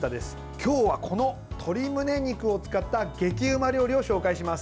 今日は、この鶏むね肉を使った激うま料理を紹介します。